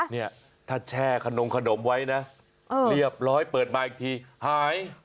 เนี่ยถ้าแช่ขนมขนมไว้นะเรียบร้อยเปิดมาอีกทีหาย